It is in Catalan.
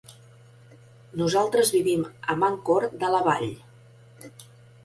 Nosaltres vivim a Mancor de la Vall.